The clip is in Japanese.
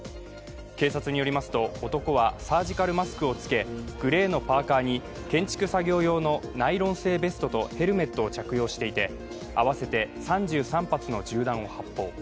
警察によりますと、男はサージカルマスクを着けグレーのパーカーに建築作業用のナイロン製ベストとヘルメットを着用していて合わせて３３発の銃弾を発砲。